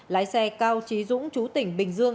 lái xe cao trí dũng chú tỉnh bình dương